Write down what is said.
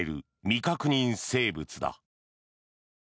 未確認生物だ。